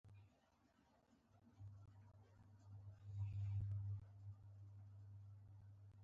ایا زه باید د لیمو شربت وڅښم؟